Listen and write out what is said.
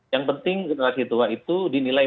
yang penting generasi tua itu dinilai